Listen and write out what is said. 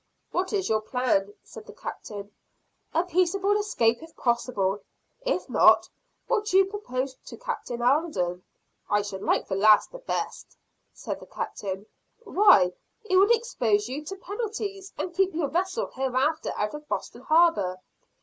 "What is your plan?" said the Captain. "A peaceable escape if possible. If not, what you propose to Captain Alden." "I should like the last the best," said the Captain. "Why, it would expose you to penalties and keep your vessel hereafter out of Boston harbor."